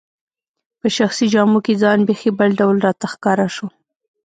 په شخصي جامو کي ځان بیخي بل ډول راته ښکاره شو.